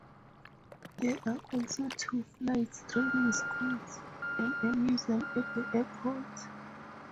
There are also two flight training schools, and a museum at the airport.